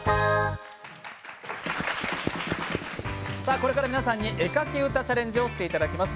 これから皆さんに絵描き歌チャレンジをしていただきます。